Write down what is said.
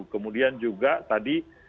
kemudian juga tadi